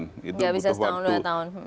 tidak bisa setahun dua tahun